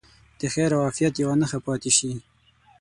د خیر او عافیت یوه نښه پاتې شي.